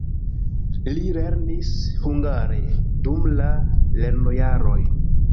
Li lernis hungare dum la lernojaroj.